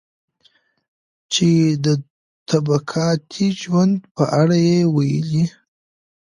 چې د طبقاتي ژوند په اړه يې وويلي.